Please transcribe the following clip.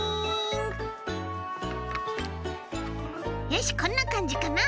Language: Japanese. よしこんなかんじかな！